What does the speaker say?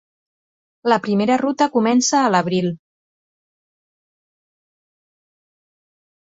La primera ruta comença a l"abril.